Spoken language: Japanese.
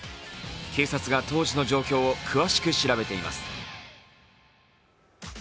警察が当時の状況を詳しく調べています。